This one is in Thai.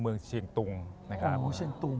เมืองเชียงตรงนะครับ